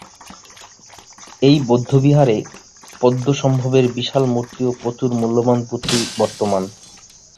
এই বৌদ্ধবিহারে পদ্মসম্ভবের বিশাল মূর্তি ও প্রচুর মূল্যবান পুঁথি বর্তমান।